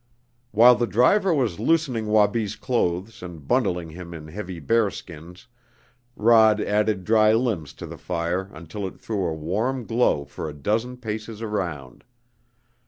While the driver was loosening Wabi's clothes and bundling him in heavy bearskins Rod added dry limbs to the fire until it threw a warm glow for a dozen paces around.